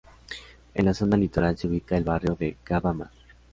En la zona litoral se ubica el barrio de Gavá Mar.